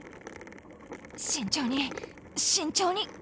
慎重に慎重に。